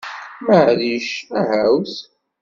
Maɛlic, ahawt!